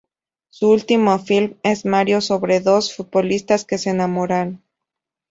Su último film es "Mario"sobre dos futbolistas que se enamoran.